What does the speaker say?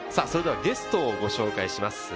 それではゲストをご紹介します。